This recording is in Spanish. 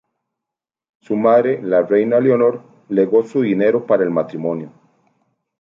Su madre, la reina Leonor legó su dinero para el matrimonio.